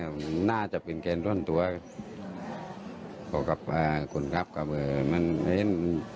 น่าไม่น่าจะเป็นเกณฑ์ต้นตัวเพราะกับคนรับกับมัน